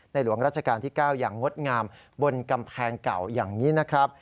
หลวงราชการที่๙อย่างงดงามบนกำแพงเก่าอย่างนี้นะครับ